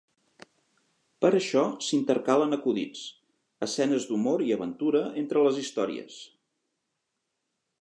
Per això s'intercalen acudits, escenes d'humor i aventura entre les històries.